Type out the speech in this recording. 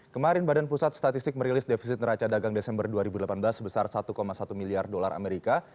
kemarin badan pusat statistik merilis defisit neraca dagang desember dua ribu delapan belas sebesar satu satu miliar dolar amerika